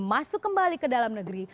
masuk kembali ke dalam negeri